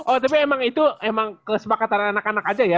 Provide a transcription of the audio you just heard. oh tapi emang itu emang kesepakatan anak anak aja ya